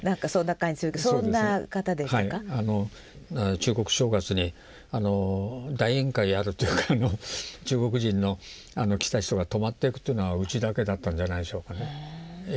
中国正月に大宴会やるというか中国人の来た人が泊まっていくというのはうちだけだったんじゃないでしょうかね。